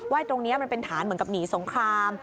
ตรงนี้มันเป็นฐานเหมือนกับหนีสงคราม